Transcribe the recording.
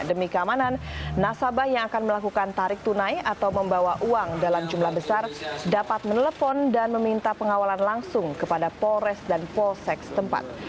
demi keamanan nasabah yang akan melakukan tarik tunai atau membawa uang dalam jumlah besar dapat menelpon dan meminta pengawalan langsung kepada polres dan polsek setempat